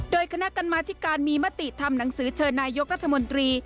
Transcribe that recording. โดยคณะกรรมาธิการมีมติทำหนังสือเชิญนายกรัฐมนตรี